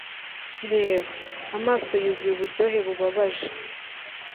reba, amaso yuzuye uburyohe bubabaje